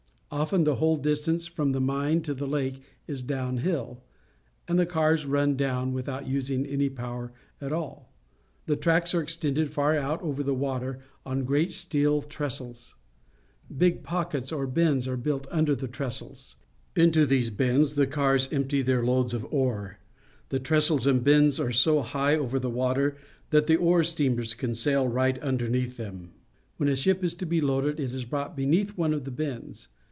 Often the whole distance from the mine to the lake is down hill, and the cars run down without using any power at all. The tracks are extended far out over the water on great steel trestles. Big pockets or bins are built under the trestles. Into these bins the cars empty their loads of ore. The trestles and bins Steel Mills, Sydney, Nova Scotia are so high over the water that the ore steamers can sail right underneath them. When a ship is to be loaded, it is brought beneath one of the bins.